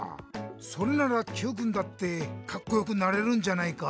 それならＱくんだってカッコよくなれるんじゃないか？